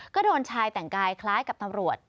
ก็โดนชายแต่งกายคล้ายกับตำรวจ